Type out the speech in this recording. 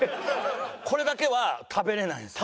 これだけは食べられないんですよ。